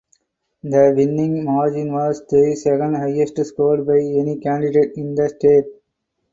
The winning margin was the second highest scored by any candidate in the state.